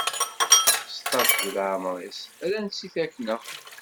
Seṭṭac di leɛmer-is, rran-tt i takna!